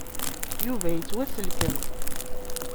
Yuba yettwasselkem.